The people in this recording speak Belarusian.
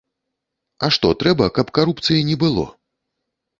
А што трэба, каб карупцыі не было?